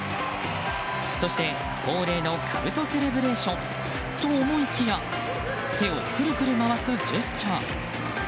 そして、恒例のかぶとセレブレーションと思いきや手をくるくる回すジェスチャー。